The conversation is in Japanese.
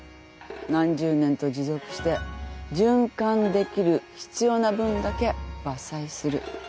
何十年と持続して循環できる必要な分だけ伐採する。